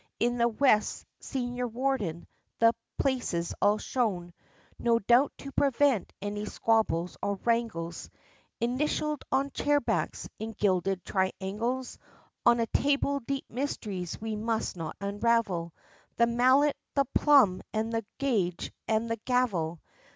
In the west, Senior Warden the places all shown (No doubt to prevent any squabbles or wrangles) Initiall'd on chair backs, in gilded triangles; On a table deep myst'ries we must not unravel The Mallet, the Plumb, and the Gauge, and the Gavel!